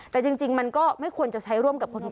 แต่จริงมันก็ไม่ควรจะใช้ร่วมกับคนอื่น